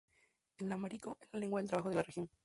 El amhárico es la lengua de trabajo de la región.